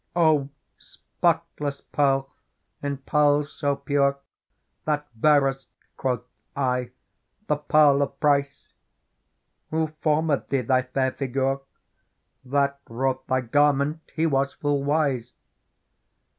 O Spotless Pearl in pearls so pure. That bearest," quoth I, '' the Pearl of Price ! Who formed thee thy fair figure ? That wrought thy garment. He was full wise